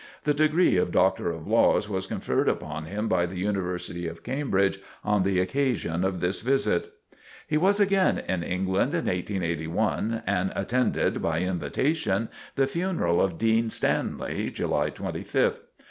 The degree of Doctor of Laws was conferred upon him by the University of Cambridge on the occasion of this visit. He was again in England in 1881 and attended, by invitation, the funeral of Dean Stanley, (July 25th).